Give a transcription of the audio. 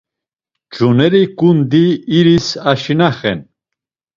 Nç̌uneri ǩundi iris aşinaxen.